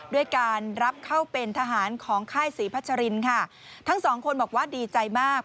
ด้วยการรับเข้าเป็นทหารของค่ายศรีพัชรินค่ะทั้งสองคนบอกว่าดีใจมาก